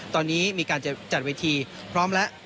ตอนนี้มีการจัดเวทีพร้อมแล้ว